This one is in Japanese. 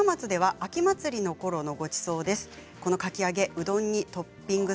讃岐、高松では秋祭りのころのごちそうです。